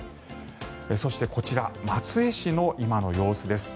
そして、こちら松江市の今の様子です。